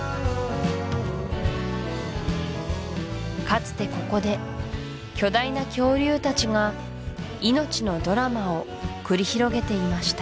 かつてここで巨大な恐竜たちが命のドラマを繰り広げていました